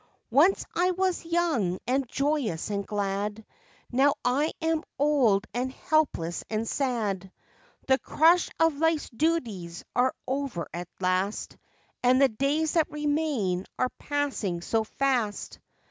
"Once I was young and joyous and glad, Now I am old and helpless and sad, The crush of life's duties are over at last, And the days that remain are passing so fast.